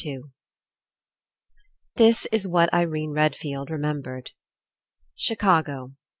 TWO This is what Irene Redfield remembered. Chicago.